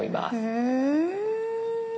へえ！